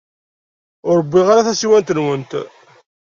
Ur wwiɣ ara tasiwant-nwent.